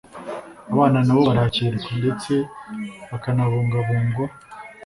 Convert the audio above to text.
abana na bo barakirwa, ndetse bakanabungabungwa.